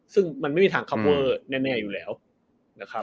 ซึ่งมันไม่มีทางคับเวอร์แน่อยู่แล้วนะครับ